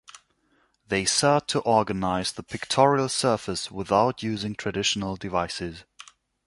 They sought to organize the pictorial surface without using traditional devices.